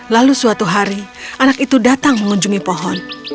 lalu suatu hari anak itu datang mengunjungi pohon